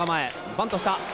バントした。